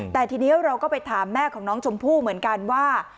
แต่ทีนี้เราก็ไปถามแม่ของน้องชมพู่เหมือนกันว่า